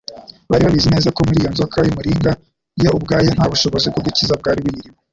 Bari babizi neza ko muri iyo nzoka y'umuringa yo ubwayo nta bushobozi bwo gukiza bwari buyirimo.